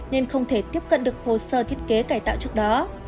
nên không thể tiếp cận được hồ sơ thiết kế cải tạo trước đó